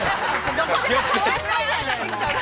◆どこでもかわんないじゃないの！